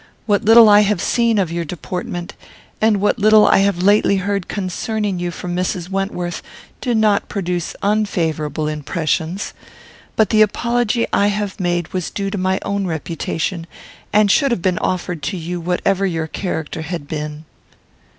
What little I have seen of your deportment, and what little I have lately heard concerning you from Mrs. Wentworth, do not produce unfavourable impressions; but the apology I have made was due to my own reputation, and should have been offered to you whatever your character had been."